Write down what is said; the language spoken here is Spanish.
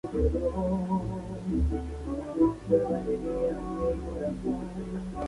Tras terminar el contrato, volvió a los Santa Cruz Warriors.